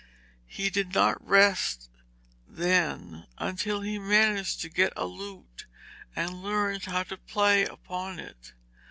He did not rest then until he managed to get a lute and learned how to play upon it.